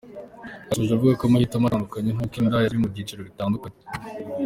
Aha yasoje avuga ko amahitamo atandukanye kuko ngo indaya ziri mu byiciro bitandukanye.